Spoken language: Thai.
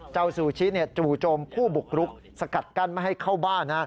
ซูชิจู่โจมผู้บุกรุกสกัดกั้นไม่ให้เข้าบ้าน